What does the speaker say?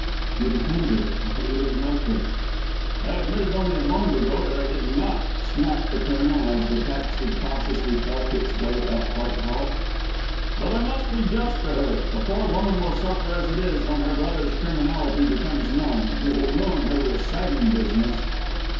"You defend her. I thought you didn't like her?" "I admitted only a moment ago that I did not," snapped the Colonel as the taxi cautiously felt its way up Whitehall, "but I must be just to her. The poor woman will suffer as it is when her brother's criminality becomes known. It will ruin her reciting business."